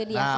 iya itu dia